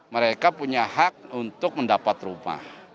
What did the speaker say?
mereka punya hak untuk mendapat rumah